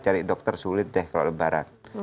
cari dokter sulit deh kalau lebaran